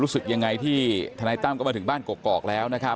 รู้สึกอย่างไรที่ธนายที่ตั้มแล้วก็มาถึงบ้านกลอกแล้วนะครับ